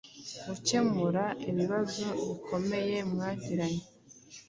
Gukemura ikibazo gikomeye mwagiranye